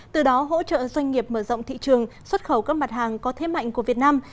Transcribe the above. từ đó hỗ trợ doanh nghiệp mở rộng thị trường xuất khẩu các mặt hàng có thế mạnh của việt nam